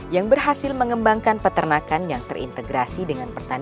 yang berhasil mengembangkan peternakan yang terintegrasi dengan pertanian